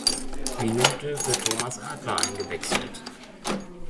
Minute für Thomas Adler eingewechselt.